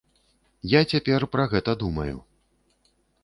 Я цяпер пра гэта думаю.